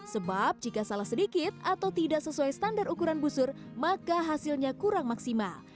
sebab jika salah sedikit atau tidak sesuai standar ukuran busur maka hasilnya kurang maksimal